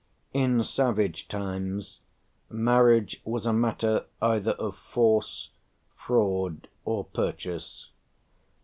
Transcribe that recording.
In savage times marriage was a matter either of force, fraud, or purchase.